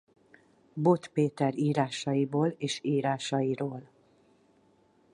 Bod Péter írásaiból és írásairól.